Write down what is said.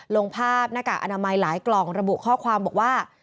ลงภาพหน้ากากอนามัยหลายกล่องระบุข้อความบอกว่า